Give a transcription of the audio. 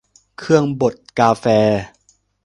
เครื่องบดกาแฟ